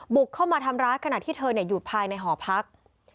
บุกเข้ามาทำร้ายขณะที่เธออยู่ภายในหอพัก